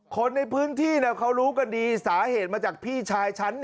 คนในพื้นที่เขารู้กันดีสาเหตุมาจากพี่ชายฉัน